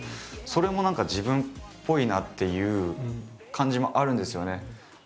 それも何か自分っぽいなっていう感じもあるんですよね。